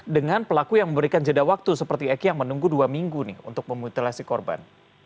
dengan pelaku yang memberikan jeda waktu seperti eki yang menunggu dua minggu nih untuk memutilasi korban